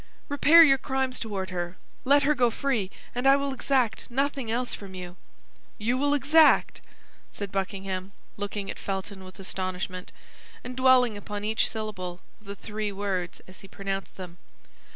Repair your crimes toward her; let her go free, and I will exact nothing else from you." "You will exact!" said Buckingham, looking at Felton with astonishment, and dwelling upon each syllable of the three words as he pronounced them.